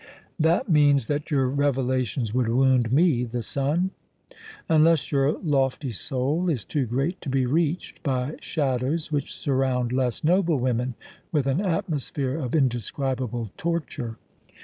"That means that your revelations would wound me, the sun?" "Unless your lofty soul is too great to be reached by shadows which surround less noble women with an atmosphere of indescribable torture."